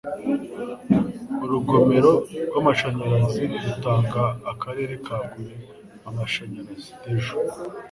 Urugomero rwamashanyarazi rutanga akarere ka kure amashanyarazi (Dejo)